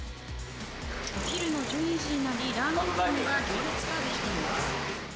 お昼の１２時になり、ラーメン店には行列が出来ています。